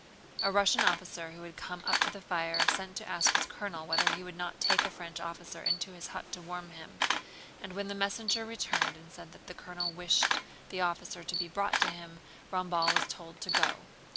A Russian officer who had come up to the fire sent to ask his colonel whether he would not take a French officer into his hut to warm him, and when the messenger returned and said that the colonel wished the officer to be brought to him, Ramballe was told to go.